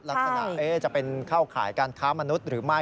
ลักษณะจะเป็นเข้าข่ายการค้ามนุษย์หรือไม่